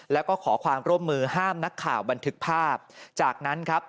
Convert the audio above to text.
แล้วก็ขอความร่วมมือห้ามนักข่าวบันทึกภาพจากนั้นครับ